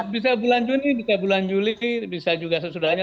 bisa bulan juni bisa bulan juli bisa juga sesudahnya